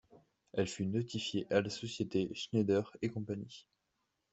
Elle fut notifiée à la société Schneider et Cie.